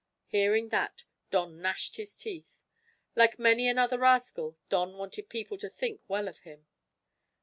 Hearing that, Don gnashed his teeth. Like many another rascal, Don wanted people to think well of him.